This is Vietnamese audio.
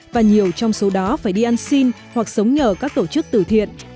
và nhiều trong số đó phải đi ăn xin hoặc sống nhờ các tổ chức tử thiện